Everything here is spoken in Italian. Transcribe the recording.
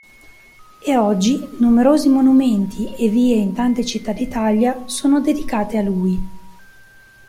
E oggi numerosi monumenti e vie in tante città d'Italia sono dedicate a lui.